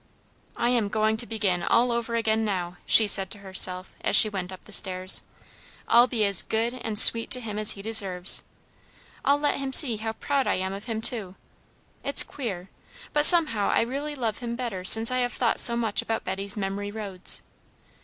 "I am going to begin all over again now," she said to herself, as she went up the stairs. "I'll be as good, and sweet to him as he deserves. I'll let him see how proud I am of him, too. It's queer, but somehow I really love him better since I have thought so much about Betty's Memory roads.